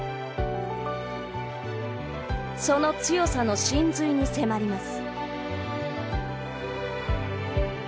その強さの神髄に迫ります。